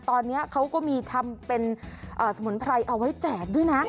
ตอนนี้เขาก็มีทำเป็นสมุนไพรเอาไว้แจกด้วยนะ